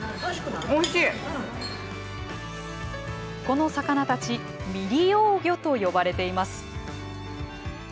この魚たち未利用魚と呼ばれています。